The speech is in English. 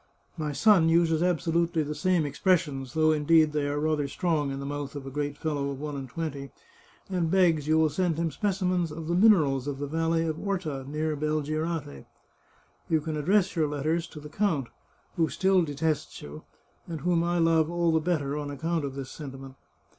My son uses absolutely the same expressions — though indeed they are rather strong in the mouth of a great fellow of one and twenty — and begs you will send him specimens of the minerals of the valley of Orta, near Belgirate. You can address your letters to the count, who still detests you, and whom I love all the better on account of this sentiment.